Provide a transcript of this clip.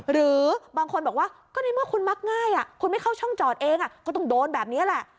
หรือบางคนบอกว่าก็ในเมื่อคุณมักง่ายคุณไม่เข้าช่องจอดเองก็ต้องโดนแบบนี้แหละ